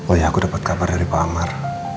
oh ya aku dapat kabar dari pak amar